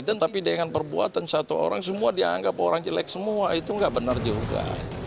dan tapi dengan perbuatan satu orang semua dianggap orang jelek semua itu nggak benar juga